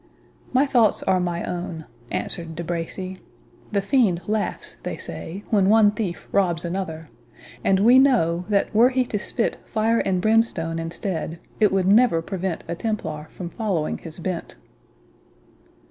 "My thoughts are my own," answered De Bracy; "the fiend laughs, they say, when one thief robs another; and we know, that were he to spit fire and brimstone instead, it would never prevent a Templar from following his bent."